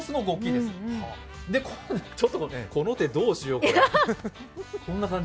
で、ちょっとこの手、どうしよう、こんな感じ。